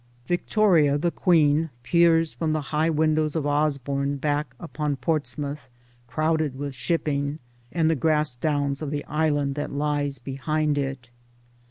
Victoria, the Queen, peers from the high windows of Osborne back upon Portsmouth crowded with shipping, and the grass downs of the Island that lies behind it.